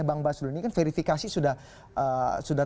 kenapa pemerbuanan yrur kesehatan anak sekian tahun ini tidak melakukan